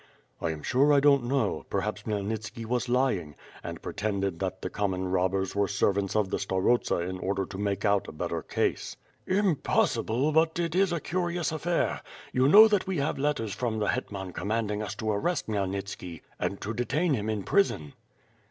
"I am sure I don't know, perhaps Khmyelnitski was lying, and pretended that the common robbers were servants of the starosta in order to make out a better case." "Impossible, but it is a curious affair. You know that we have letters from the Hetman commanding us to arrest Khmyelnitski and to detain him in prison."